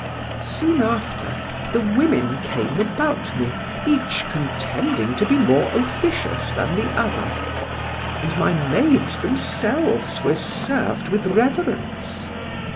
"Soon after the women came about me, each contending to be more officious than the other, and my maids themselves were served with reverence.